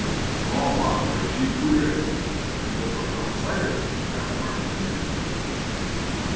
"A long way for Jean Ferret to go for a cup of cider," I remarked musingly.